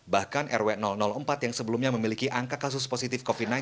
bahkan rw empat yang sebelumnya memiliki angka kasus positif covid sembilan belas